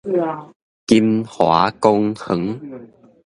金華公園